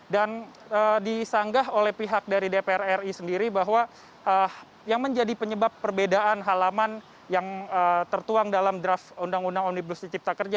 dan disanggah oleh pihak dari dpr ri sendiri bahwa yang menjadi penyebab perbedaan halaman yang tertuang dalam draft undang undang omnibus law cipta kerja